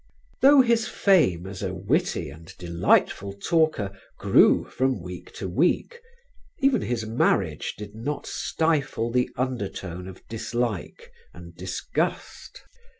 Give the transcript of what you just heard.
Though his fame as a witty and delightful talker grew from week to week, even his marriage did not stifle the undertone of dislike and disgust.